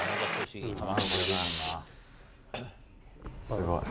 すごい。